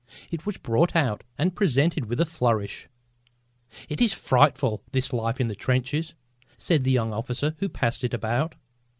It was brought out and presented with a flourish. "It is frightful, this life in the trenches!" said the young officer who passed it about.